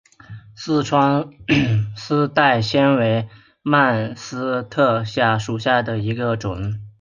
四川丝带藓为蔓藓科丝带藓属下的一个种。